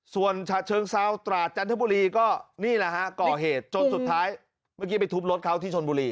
ส่วนเชิงเศร้าตราจันทบุรีก็ก่อเหตุจนสุดท้ายเมื่อกี้ไปทุบรถเขาที่ชนบุรี